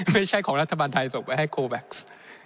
ไม่ใช่ของรัฐบาลไทยส่งไปให้โคแว็กซ์